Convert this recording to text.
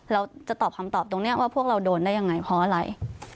เราจะตอบคำตอบตรงนี้ว่าพวกเราโดนได้ยังไงเพราะอะไร